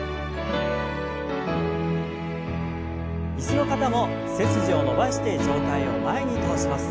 椅子の方も背筋を伸ばして上体を前に倒します。